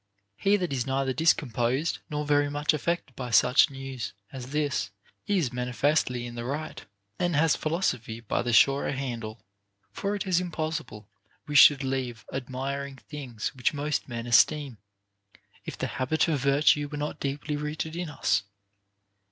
He that is neither discomposed nor very much affected by such news as this is manifestly in the right, and has philosophy by the surer handle. For it is impossible we should leave admir ing thinss which most men esteem, if the habit of virtue were not deeply rooted in us.